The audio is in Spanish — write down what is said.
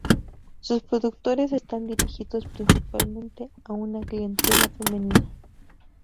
Sus productos están dirigidos principalmente a una clientela femenina.